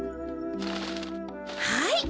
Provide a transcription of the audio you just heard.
はい！